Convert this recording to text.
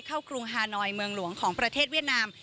กรุงฮานอยเมืองหลวงของประเทศเวียดนาม